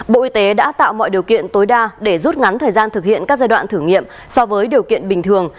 bộ y tế đã tạo mọi điều kiện tối đa để rút ngắn thời gian thực hiện các giai đoạn thử nghiệm so với điều kiện bình thường